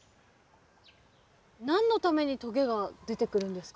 何のためにとげが出てくるんですかね？